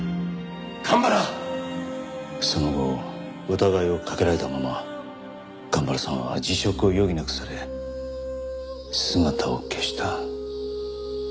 その後疑いをかけられたまま神原さんは辞職を余儀なくされ姿を消した。